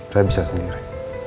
saya bisa sendiri